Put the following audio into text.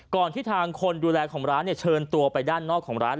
ที่ทางคนดูแลของร้านเชิญตัวไปด้านนอกของร้าน